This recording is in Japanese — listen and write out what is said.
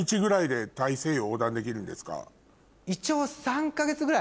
一応。